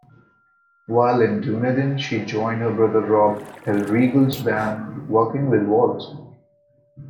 While in Dunedin, she joined her brother Rob Hellriegel's band, Working With Walt.